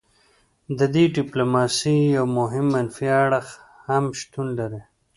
د دې ډیپلوماسي یو مهم منفي اړخ هم شتون لري